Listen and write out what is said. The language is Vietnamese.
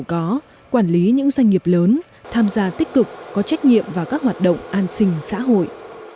có quản lý những doanh nghiệp lớn tham gia tích cực có trách nhiệm vào các hoạt động an sinh xã hội